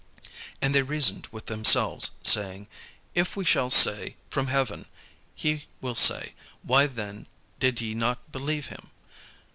And they reasoned with themselves, saying, "If we shall say, 'From heaven;' he will say, 'Why then did ye not believe him?'